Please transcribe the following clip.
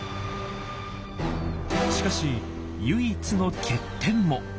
しかし唯一の欠点も。